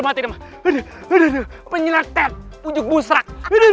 penyelenggaraan punjuk busrak